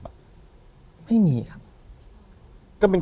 ถูกต้องไหมครับถูกต้องไหมครับ